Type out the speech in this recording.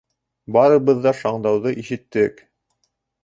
Барыбыҙ ҙа шаңдауҙы ишеттек.